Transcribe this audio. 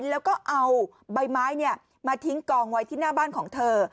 แล้วก็เอาใบไม้มาทิ้งกองไว้ที่หน้าบ้านของเธอ